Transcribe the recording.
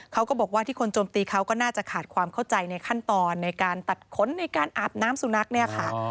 เขาก็บอกว่าที่คนโจมตีเขาก็น่าจะขาดความเข้าใจในขั้นตอนในการตัดขนในการอาบน้ำสุนัขเนี่ยค่ะ